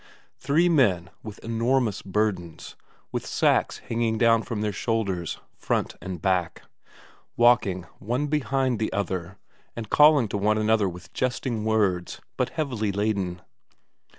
Three men with enormous burdens, with sacks hanging down from their shoulders, front and back. Walking one behind the other, and calling to one another with jesting words, but heavily laden.